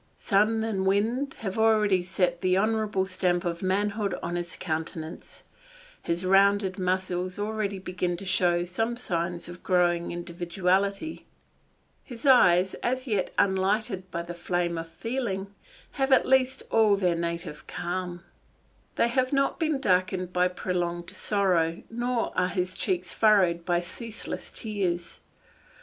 Sun and wind have already set the honourable stamp of manhood on his countenance; his rounded muscles already begin to show some signs of growing individuality; his eyes, as yet unlighted by the flame of feeling, have at least all their native calm; They have not been darkened by prolonged sorrow, nor are his cheeks furrowed by ceaseless tears.